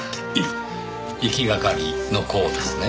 「行きがかり」の項ですね。